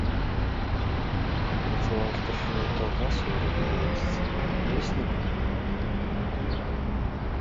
Працаваў старшынёй калгаса ў роднай вёсцы, лесніком.